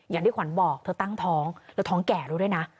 อย่างที่ขวัญบอกเธอตั้งท้องแล้วท้องแก่แล้วด้วยนะ